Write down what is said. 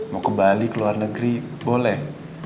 mau ke bali ke luar negeri boleh